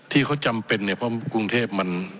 ที่เขาจำเป็นเนี่ยเพราะกรุงเทพมัน